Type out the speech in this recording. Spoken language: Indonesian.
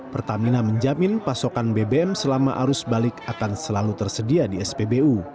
pertamina menjamin pasokan bbm selama arus balik akan selalu tersedia di spbu